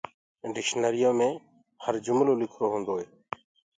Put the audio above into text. ڊڪشنٚريو مي هر جُملولکرو هونٚدوئي